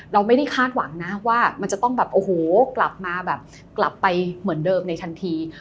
เราไม่ได้คาดหวังนะว่ามันจะต้องแบบโอ้โหกลับมาแบบกลับไปเหมือนเดิมในทันที